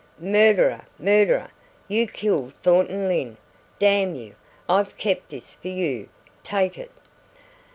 "Murderer! Murderer! You killed Thornton Lyne, damn you! I've kept this for you take it!"